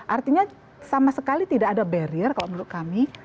artinya sama sekali tidak ada barrier kalau menurut kami